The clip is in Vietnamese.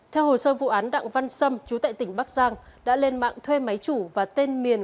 theo hồ sơ vụ án đặng văn sâm chú tại tỉnh bắc giang đã lên mạng thuê máy chủ và tên miền